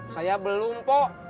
saya belum pok